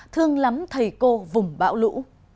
thương lắm thầy cô vùng bão lũ